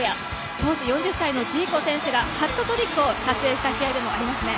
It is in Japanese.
当時４０歳のジーコ選手がハットトリックを達成した試合でもあります。